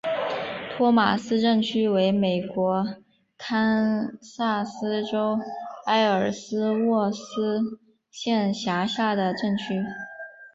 托马斯镇区为美国堪萨斯州埃尔斯沃思县辖下的镇区。